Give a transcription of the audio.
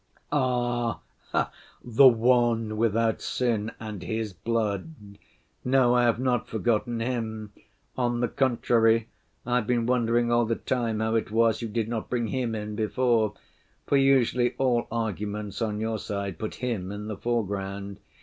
" "Ah! the One without sin and His blood! No, I have not forgotten Him; on the contrary I've been wondering all the time how it was you did not bring Him in before, for usually all arguments on your side put Him in the foreground.